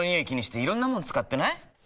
気にしていろんなもの使ってない？